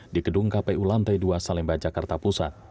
di gedung kpu lantai dua salemba jakarta pusat